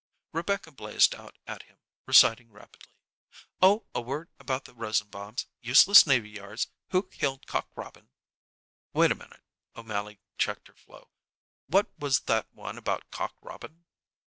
Rebecca blazed out at him, reciting rapidly: "Oh, 'A Word about the Rosenbaums,' 'Useless Navy Yards,' 'Who Killed Cock Robin' " "Wait a minute." O'Mally checked her flow. "What was that one about Cock Robin?"